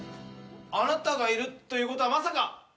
あなたがいるということはまさか。